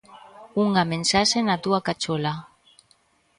Unha mensaxe na túa cachola.